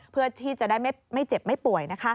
เพื่อที่จะได้ไม่เจ็บไม่ป่วย